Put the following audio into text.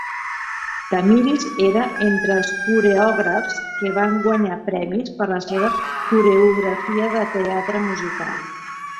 Tamiris era entre els coreògrafs que van guanyar premis per la seva coreografia de teatre musical.